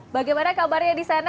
bagaimana kabarnya di sana